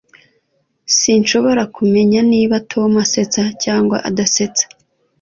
Sinshobora kumenya niba Tom asetsa cyangwa adasetsa